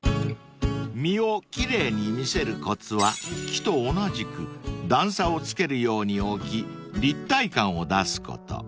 ［実を奇麗に見せるコツは木と同じく段差をつけるように置き立体感を出すこと］